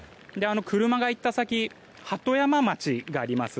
車が行った先に鳩山町があります。